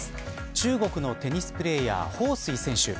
中国のテニスプレーヤー彭帥選手。